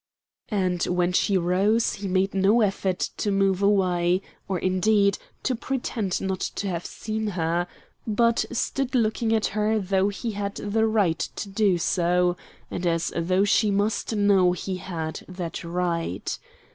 And when she rose he made no effort to move away, or, indeed, to pretend not to have seen her, but stood looking at her as though he had the right to do so, and as though she must know he had that right.